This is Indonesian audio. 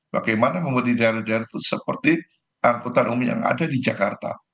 bagaimana membuat di daerah daerah seperti angkutan umum yang ada di jakarta